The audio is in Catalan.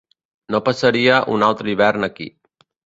No passaria un altre hivern aquí.